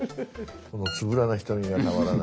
このつぶらな瞳がたまらない。